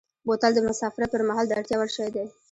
بوتل د مسافرت پر مهال د اړتیا وړ شی دی.